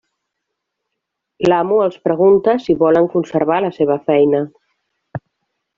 L'amo els pregunta si volen conservar la seva feina.